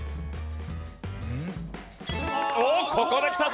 おっここできたぞ！